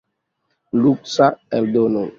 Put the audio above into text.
Luksa eldono.